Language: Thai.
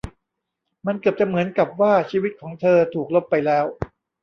มันเกือบจะเหมือนกับว่าชีวิตของเธอถูกลบไปแล้ว